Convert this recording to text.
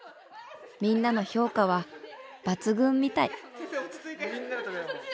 みんなの評価は抜群みたい。